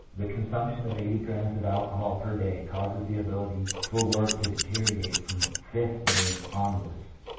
^The consumption of eighty grammes of alcohol per day causes the ability for work to deteriorate from the fifth day onwards.